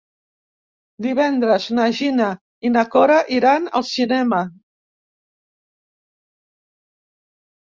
Divendres na Gina i na Cora iran al cinema.